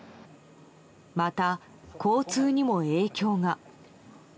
また、交通にも影響が。